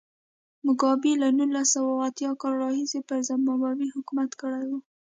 موګابي له نولس سوه اتیا کال راهیسې پر زیمبابوې حکومت کړی و.